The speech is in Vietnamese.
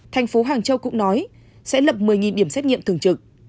thành phố hàng châu cũng nói sẽ lập một mươi điểm xét nghiệm thường trực